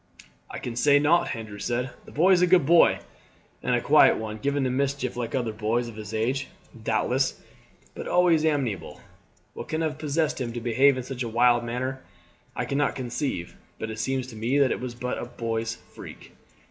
"I can say nought," Andrew said. "The boy is a good boy and a quiet one; given to mischief like other boys of his age, doubtless, but always amenable. What can have possessed him to behave in such a wild manner I cannot conceive, but it seems to me that it was but a boy's freak."